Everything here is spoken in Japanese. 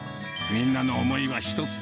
みんなの思いは一つ。